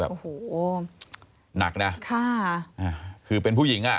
โอ้โหหนักนะคือเป็นผู้หญิง